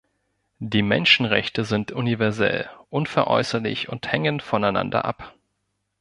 Die Menschenrechte sind universell, unveräußerlich und hängen voneinander ab.